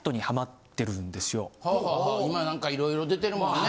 今なんかいろいろ出てるもんね。